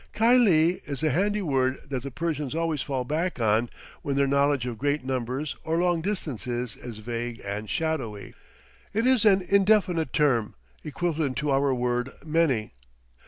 "Khylie" is a handy word that the Persians always fall back on when their knowledge of great numbers or long distances is vague and shadowy; it is an indefinite term, equivalent to our word "many."